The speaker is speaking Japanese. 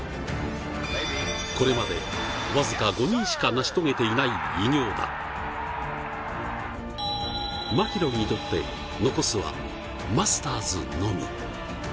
これまで、僅か５人しか成し遂げていない偉業がマキロイにとって残すはマスターズのみ。